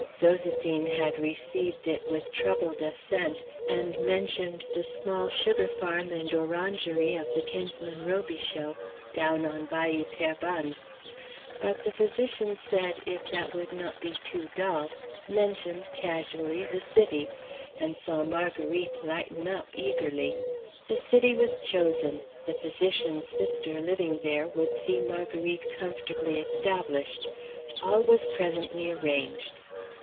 Zoséphine had received it with troubled assent, and mentioned the small sugar farm and orangery of the kinsman Robichaux, down on Bayou Terrebonne. But the physician said, "If that would not be too dull;" mentioned, casually, the city, and saw Marguerite lighten up eagerly. The city was chosen; the physician's sister, living there, would see Marguerite comfortably established. All was presently arranged.